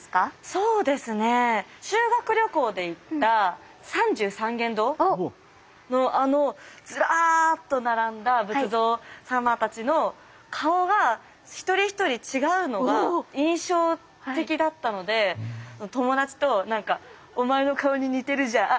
そうですね修学旅行で行った三十三間堂のあのズラーっと並んだ仏像様たちの顔が一人一人違うのが印象的だったので友達と何か「お前の顔に似てるじゃん」